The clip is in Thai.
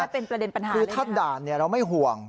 เป็นประเด็นปัญหาคือถ้าด่านเราไม่ห่วง